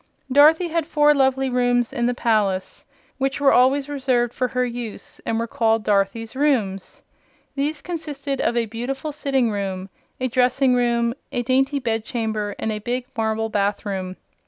Dorothy had four lovely rooms in the palace, which were always reserved for her use and were called "Dorothy's rooms." These consisted of a beautiful sitting room, a dressing room, a dainty bedchamber and a big marble bathroom.